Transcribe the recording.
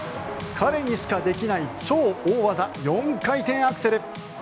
彼にしかできない超大技４回転アクセル。